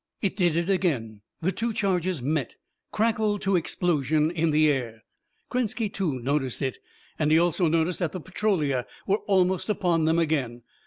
It did it again. The two charges met, crackled to explosion in the air. Krenski, too, noticed it, and he also noticed that the Petrolia were almost upon them again.